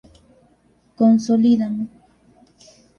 Consolidan